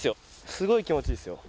すごく気持ちいいですよ。